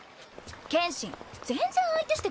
剣心全然相手してくれないし。